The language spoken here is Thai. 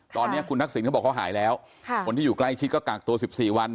ตอนนี้คุณทักษิณเขาบอกเขาหายแล้วคนที่อยู่ใกล้ชิดก็กักตัว๑๔วัน